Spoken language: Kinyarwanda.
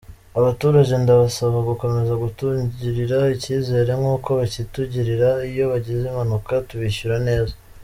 Abaturage ndabasaba gukomeza kutugirira icyizere nk’uko bakitugirira, iyo bagize impanuka tubishyura neza.